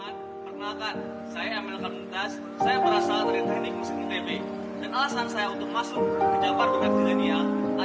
teman teman perkenalkan saya emeril kan muntas saya perasal dari teknik musik ntp